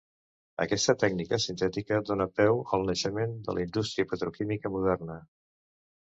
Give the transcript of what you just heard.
Aquesta tècnica sintètica donà peu al naixement de la indústria petroquímica moderna.